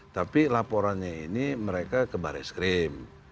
tapi laporannya ini mereka ke baris krim